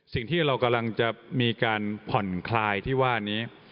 สิ่งที่เรากำลังจะมีการผ่อนคลายที่ว่านี้